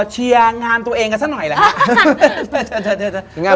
เชียร์งานตัวเองอะสักหน่อยละฮะ